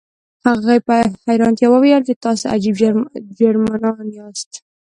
هغې په حیرانتیا وویل چې تاسې عجب جرمنان یاست